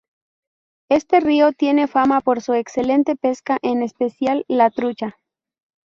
Este río tiene fama por su excelente pesca, en especial la trucha.